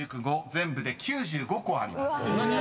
全部で９５個あります］